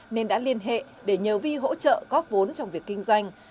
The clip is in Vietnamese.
nên đã liên hệ để nhờ vi hỗ trợ góp vốn trong việc kinh doanh